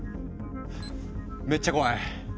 めっちゃ怖い。